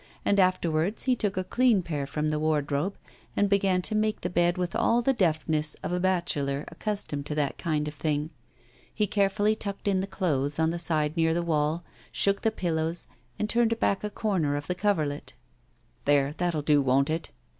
And afterwards he took a clean pair from the wardrobe and began to make the bed with all the deftness of a bachelor accustomed to that kind of thing. He carefully tucked in the clothes on the side near the wall, shook the pillows, and turned back a corner of the coverlet. 'There, that'll do; won't it?